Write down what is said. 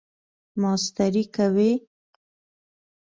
ماسټری کوئ؟